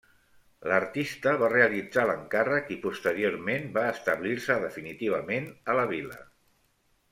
L'artista va realitzar l'encàrrec i posteriorment va establir-se definitivament a la vila.